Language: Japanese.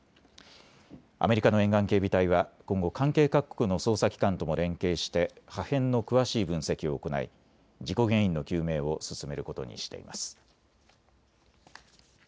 アメリカの沿岸警備隊は今後、関係各国の捜査機関とも連携して破片の詳しい分析を行い事故原因の究明を進めることにしています。